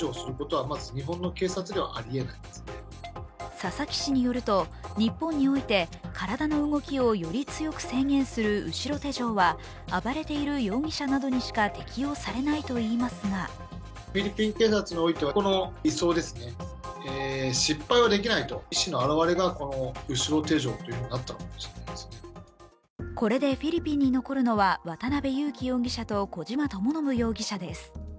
佐々木氏によると、日本において、体の動きをより強く制限する後ろ手錠は暴れている容疑者などにしか適用されないといいますがこれでフィリピンに残るのは渡辺優樹容疑者と小島智信容疑者です。